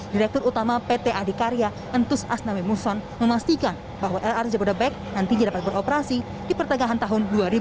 direktur utama pt adikarya entus asnamimuson memastikan bahwa lrt jabodebek nanti dapat diperoperasi di pertengahan tahun dua ribu dua puluh dua